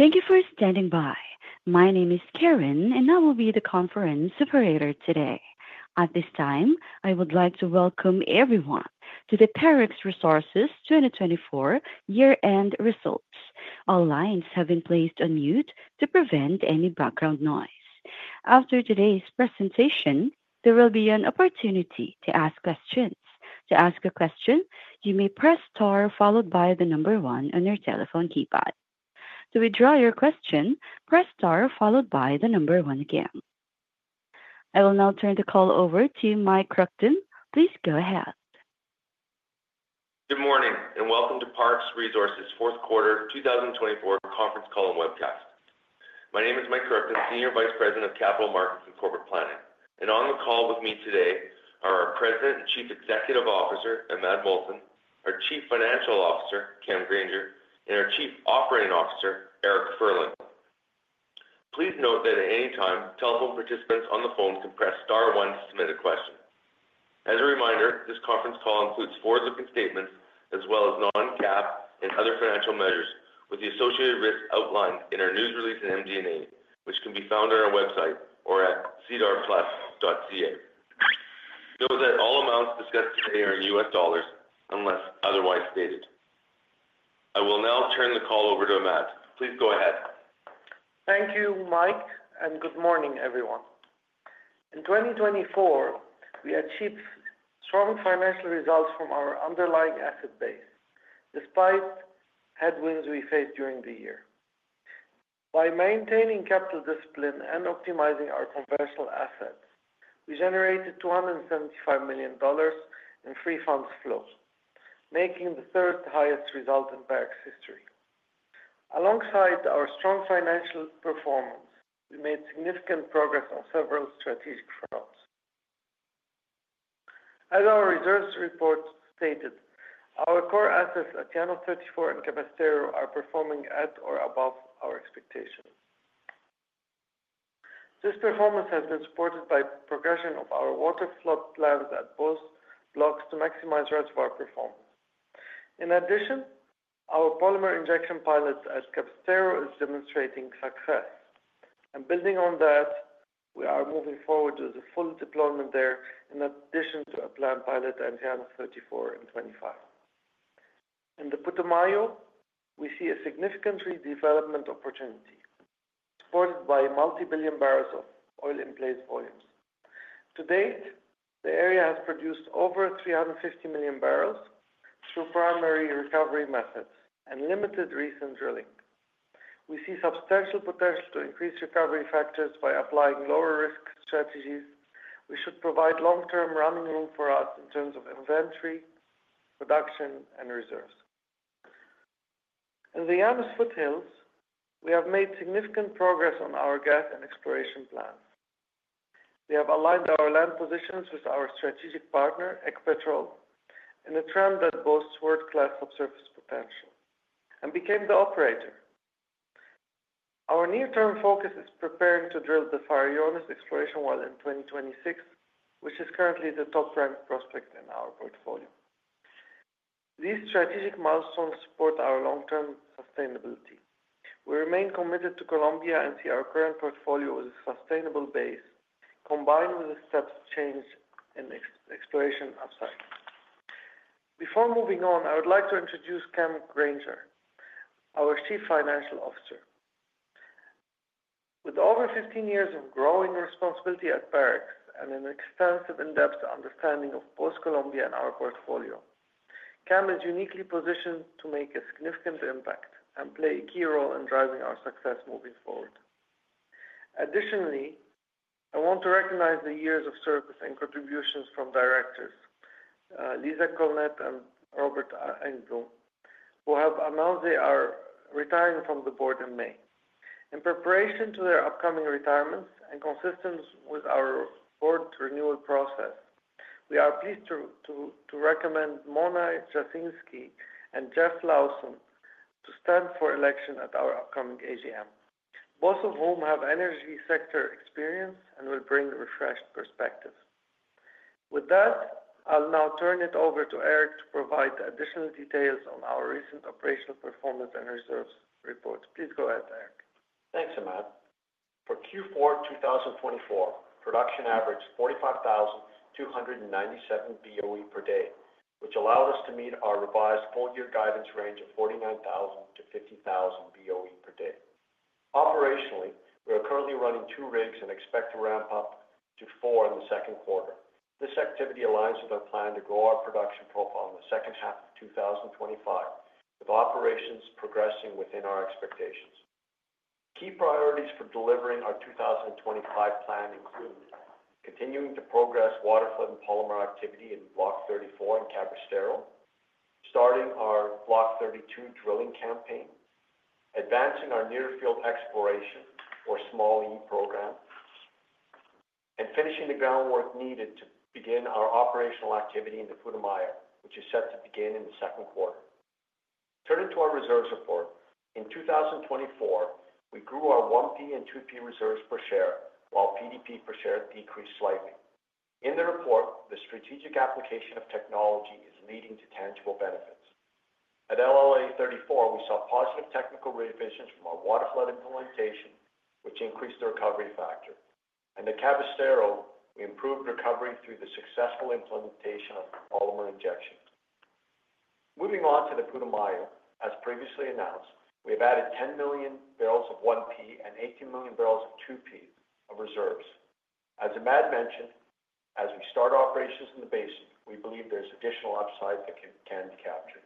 Thank you for standing by. My name is Karen, and I will be the conference operator today. At this time, I would like to welcome everyone to the Parex Resources 2024 year-end results. All lines have been placed on mute to prevent any background noise. After today's presentation, there will be an opportunity to ask questions. To ask a question, you may press star followed by the number one on your telephone keypad. To withdraw your question, press star followed by the number one again. I will now turn the call over to Mike Kruchten. Please go ahead. Good morning and welcome to Parex Resources Fourth Quarter 2024 Conference Call and Webcast. My name is Mike Kruchten, Senior Vice President of Capital Markets and Corporate Planning. And on the call with me today are our President and Chief Executive Officer, Imad Mohsen, our Chief Financial Officer, Cam Grainger, and our Chief Operating Officer, Eric Furlan. Please note that at any time, telephone participants on the phone can press star one to submit a question. As a reminder, this conference call includes forward-looking statements as well as non-GAAP and other financial measures with the associated risks outlined in our news release and MD&A, which can be found on our website or at sedarplus.ca. Note that all amounts discussed today are in U.S. dollars unless otherwise stated. I will now turn the call over to Imad. Please go ahead. Thank you, Mike, and good morning, everyone. In 2024, we achieved strong financial results from our underlying asset base despite headwinds we faced during the year. By maintaining capital discipline and optimizing our conventional assets, we generated $275 million in free funds flow, making the third highest result in Parex Resources history. Alongside our strong financial performance, we made significant progress on several strategic fronts. As our reserves report stated, our core assets at Block 34 and Cabrestero are performing at or above our expectations. This performance has been supported by progression of our waterflood plans at both blocks to maximize reservoir performance. In addition, our polymer injection pilots at Cabrestero are demonstrating success. Building on that, we are moving forward with a full deployment there in addition to a planned pilot at Block 34 and 25. In the Putumayo, we see a significant redevelopment opportunity supported by multi-billion barrels of oil-in-place volumes. To date, the area has produced over 350 million barrels through primary recovery methods and limited recent drilling. We see substantial potential to increase recovery factors by applying lower-risk strategies which should provide long-term running room for us in terms of inventory, production, and reserves. In the Llanos Foothills, we have made significant progress on our gas and exploration plans. We have aligned our land positions with our strategic partner, Ecopetrol, in a trend that boasts world-class subsurface potential and became the operator. Our near-term focus is preparing to drill the Farallones Exploration Well in 2026, which is currently the top-ranked prospect in our portfolio. These strategic milestones support our long-term sustainability. We remain committed to Colombia and see our current portfolio as a sustainable base combined with a step change in exploration upside. Before moving on, I would like to introduce Cam Grainger, our Chief Financial Officer. With over 15 years of growing responsibility at Parex and an extensive in-depth understanding of both Colombia and our portfolio, Cam is uniquely positioned to make a significant impact and play a key role in driving our success moving forward. Additionally, I want to recognize the years of service and contributions from directors Lisa Colnett and Robert Engbloom, who have announced they are retiring from the board in May. In preparation to their upcoming retirements and consistent with our board renewal process, we are pleased to recommend Mona Jasinski and Jeff Lawson to stand for election at our upcoming AGM, both of whom have energy sector experience and will bring a refreshed perspective. With that, I'll now turn it over to Eric to provide additional details on our recent operational performance and reserves report. Please go ahead, Eric. Thanks, Imad. For Q4 2024, production averaged 45,297 BOE per day, which allowed us to meet our revised full-year guidance range of 49,000-50,000 BOE per day. Operationally, we are currently running two rigs and expect to ramp up to four in the second quarter. This activity aligns with our plan to grow our production profile in the second half of 2025, with operations progressing within our expectations. Key priorities for delivering our 2025 plan include continuing to progress waterflood and polymer activity in Block 34 and Cabrestero, starting our Block 32 drilling campaign, advancing our near-field exploration, or Small E program, and finishing the groundwork needed to begin our operational activity in the Putumayo, which is set to begin in the second quarter. Turning to our reserves report, in 2024, we grew our 1P and 2P reserves per share while PDP per share decreased slightly. In the report, the strategic application of technology is leading to tangible benefits. At LLA-34, we saw positive technical revisions from our waterflood implementation, which increased the recovery factor. At Cabrestero, we improved recovery through the successful implementation of polymer injection. Moving on to the Putumayo, as previously announced, we have added 10 million barrels of 1P and 18 million barrels of 2P of reserves. As Imad mentioned, as we start operations in the basin, we believe there's additional upside that can be captured.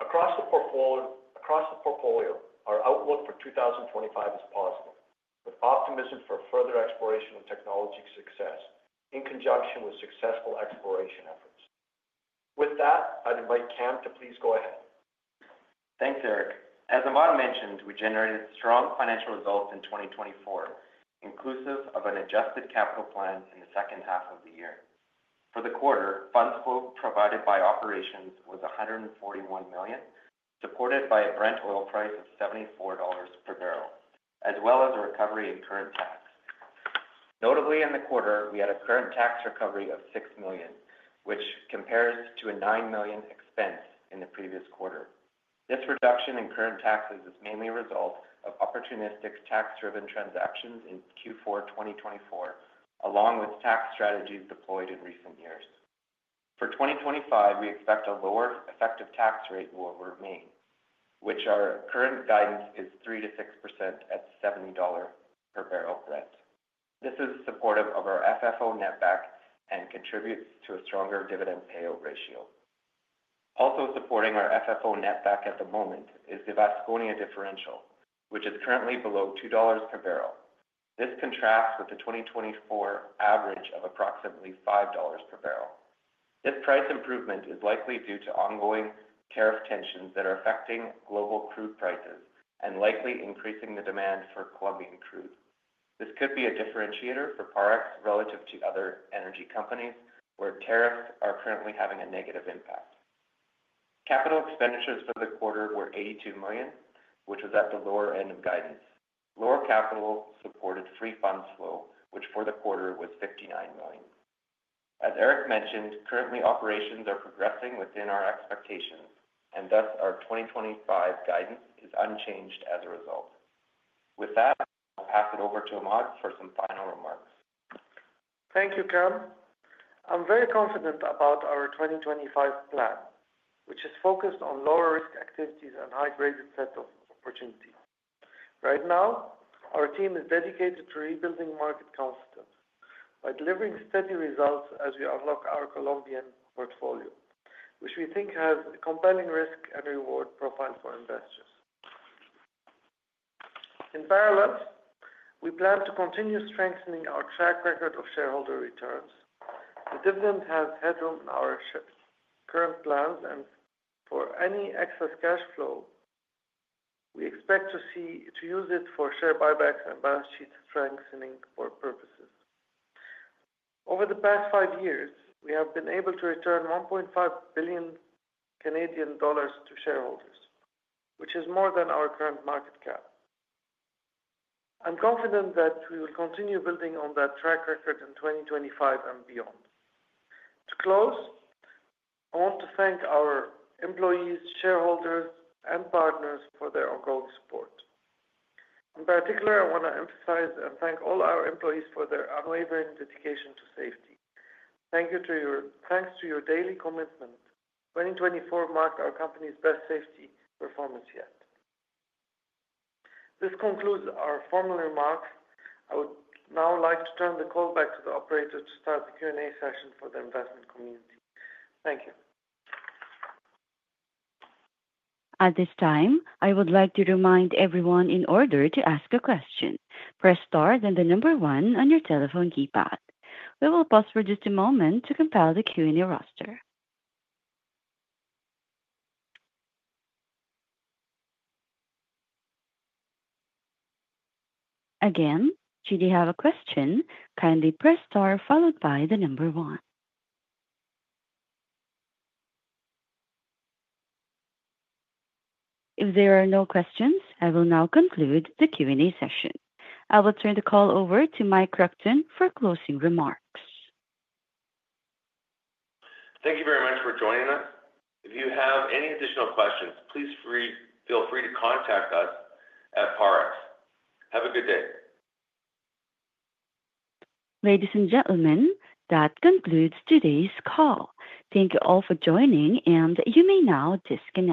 Across the portfolio, our outlook for 2025 is positive, with optimism for further exploration and technology success in conjunction with successful exploration efforts. With that, I'd invite Cam to please go ahead. Thanks, Eric. As Imad mentioned, we generated strong financial results in 2024, inclusive of an adjusted capital plan in the second half of the year. For the quarter, funds flow provided by operations was $141 million, supported by a Brent oil price of $74 per barrel, as well as a recovery in current tax. Notably, in the quarter, we had a current tax recovery of $6 million, which compares to a $9 million expense in the previous quarter. This reduction in current taxes is mainly a result of opportunistic tax-driven transactions in Q4 2024, along with tax strategies deployed in recent years. For 2025, we expect a lower effective tax rate will remain, which our current guidance is 3%-6% at $70 per barrel Brent. This is supportive of our FFO netback and contributes to a stronger dividend payout ratio. Also supporting our FFO netback at the moment is the Vasconia differential, which is currently below $2 per barrel. This contrasts with the 2024 average of approximately $5 per barrel. This price improvement is likely due to ongoing tariff tensions that are affecting global crude prices and likely increasing the demand for Colombian crude. This could be a differentiator for Parex Resources relative to other energy companies where tariffs are currently having a negative impact. Capital expenditures for the quarter were $82 million, which was at the lower end of guidance. Lower capital supported free funds flow, which for the quarter was $59 million. As Eric mentioned, currently, operations are progressing within our expectations, and thus our 2025 guidance is unchanged as a result. With that, I'll pass it over to Imad for some final remarks. Thank you, Cam. I'm very confident about our 2025 plan, which is focused on lower-risk activities and high-grade sets of opportunity. Right now, our team is dedicated to rebuilding market confidence by delivering steady results as we unlock our Colombian portfolio, which we think has a compelling risk and reward profile for investors. In parallel, we plan to continue strengthening our track record of shareholder returns. The dividend has headroom in our current plans, and for any excess cash flow, we expect to use it for share buybacks and balance sheet strengthening purposes. Over the past five years, we have been able to return 1.5 billion Canadian dollars to shareholders, which is more than our current market cap. I'm confident that we will continue building on that track record in 2025 and beyond. To close, I want to thank our employees, shareholders, and partners for their ongoing support. In particular, I want to emphasize and thank all our employees for their unwavering dedication to safety. Thanks to your daily commitment, 2024 marked our company's best safety performance yet. This concludes our formal remarks. I would now like to turn the call back to the operator to start the Q&A session for the investment community. Thank you. At this time, I would like to remind everyone in order to ask a question, press star then the number one on your telephone keypad. We will pause for just a moment to compile the Q&A roster. Again, should you have a question, kindly press star followed by the number one. If there are no questions, I will now conclude the Q&A session. I will turn the call over to Mike Kruchten for closing remarks. Thank you very much for joining us. If you have any additional questions, please feel free to contact us at Parex. Have a good day. Ladies and gentlemen, that concludes today's call. Thank you all for joining, and you may now disconnect.